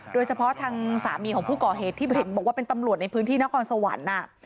โดยเฉพาะทางสามีของผู้ก่อเหตุที่เห็นบอกว่าเป็นตำรวจในพื้นที่นครสวรรค์